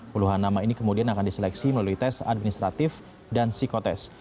puluhan nama ini kemudian akan diseleksi melalui tes administratif dan psikotest